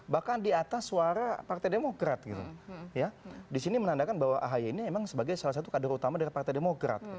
bahkan di atas suara partai demokrat gitu ya disini menandakan bahwa ahy ini memang sebagai salah satu kader utama dari partai demokrat